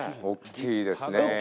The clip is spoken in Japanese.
おっきいですね。